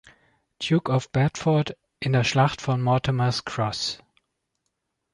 Duke of Bedford, in der Schlacht von Mortimer’s Cross.